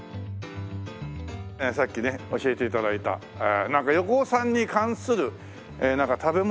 さっきね教えて頂いたなんか横尾さんに関する食べ物があるという。